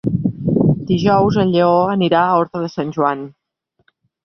Dijous en Lleó anirà a Horta de Sant Joan.